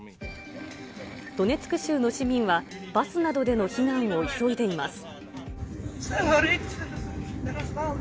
ドネツク州の市民は、バスなどでの避難を急いでいます。